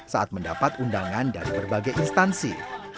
saat mendapat undangan dari berbagai instansi